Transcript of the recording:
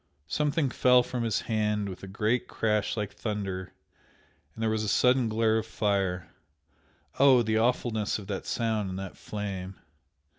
Something fell from his hand with a great crash like thunder and there was a sudden glare of fire! oh, the awfulness of that sound and that flame!